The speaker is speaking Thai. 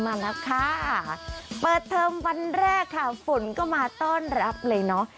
มาแล้วค่ะเปิดเทอมวันแรกค่ะฝนก็มาต้อนรับเลยเนาะ